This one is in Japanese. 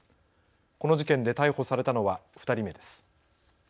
この事件で逮捕されたのは２人目です。